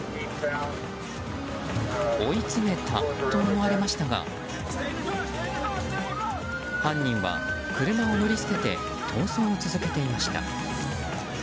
追い詰めたと思われましたが犯人は車を乗り捨てて逃走を続けていました。